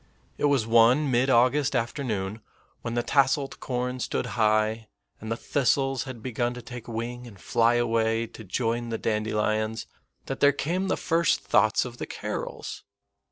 It was one mid August afternoon, when the tasseled corn stood high, and the thistles had begun to take wing and fly away to join the dandelions, that there came the first thoughts of the carols.